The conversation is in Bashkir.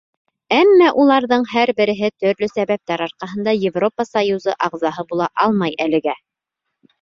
Әммә уларҙың һәр береһе төрлө сәбәптәр арҡаһында Европа союзы ағзаһы була алмай әлегә.